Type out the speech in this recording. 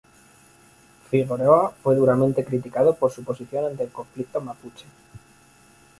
Figueroa fue duramente criticado por su posición ante el conflicto mapuche.